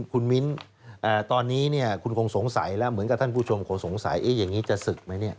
คุณมิ้นตอนนี้คุณคงสงสัยแล้วเหมือนกับท่านผู้ชมคงสงสัยอย่างนี้จะศึกไหมเนี่ย